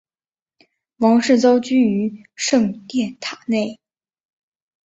王室遭拘于圣殿塔内。